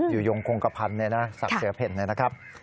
อยู่ยงคงกระพันธุ์ในสักเสื้อเผ็ดนะครับ